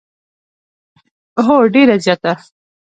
هو، ډیره زیاته